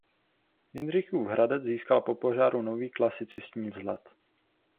Jindřichův Hradec získal po požáru nový klasicistní vzhled.